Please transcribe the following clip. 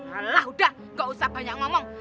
halah udah gak usah banyak ngomong